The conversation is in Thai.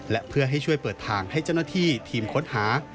และเพื่อให้ช่วยเปิดทางให้เจ้าหน้าที่ทีมค้นหา